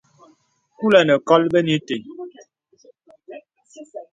Kūlə̀ nə̀ kol bə̄nē itē.